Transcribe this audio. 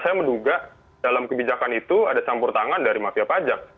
saya menduga dalam kebijakan itu ada campur tangan dari mafia pajak